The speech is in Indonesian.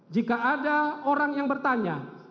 jika ada orang yang bertanya